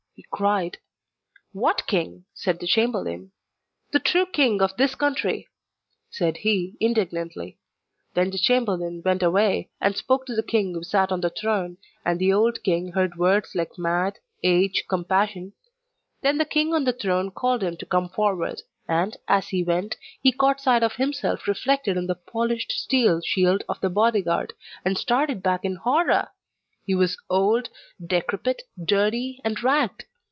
he cried. 'What king?' said the chamberlain. 'The true king of this country,' said he indignantly. Then the chamberlain went away, and spoke to the king who sat on the throne, and the old king heard words like 'mad,' 'age,' 'compassion.' Then the king on the throne called him to come forward, and, as he went, he caught sight of himself reflected in the polished steel shield of the bodyguard, and started back in horror! He was old, decrepit, dirty, and ragged!